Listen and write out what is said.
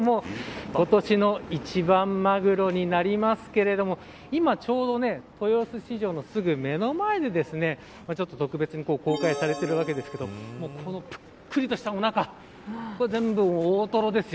今年の一番マグロになりますけれども今ちょうど豊洲市場のすぐ目の前で特別に公開されてるわけですがこのぷっくりとしたおなか全部大トロですよ。